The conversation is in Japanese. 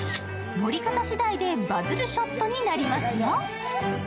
盛り方しだいでバズるショットになりますよ。